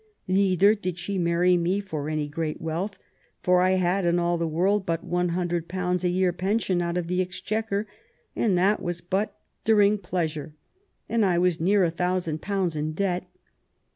Neither did she marry me for any great wealth ; for I had in all the world but one hundred pounds a year pension out of the Exchequer, and that was but during pleasure, and I was near a thousand pounds in debt."